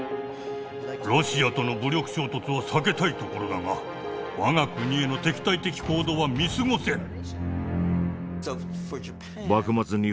ロシアとの武力衝突は避けたいところだが我が国への敵対的行動は見過ごせぬ。